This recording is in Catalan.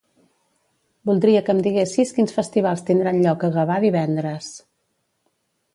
Voldria que em diguessis quins festivals tindran lloc a Gavà divendres.